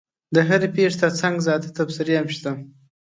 د هرې پېښې ترڅنګ ذاتي تبصرې هم شته.